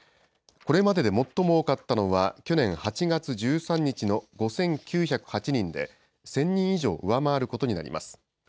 これまでで最も多かったのは去年８月１３日の５９０８人で１０００人以上、上回ることになります。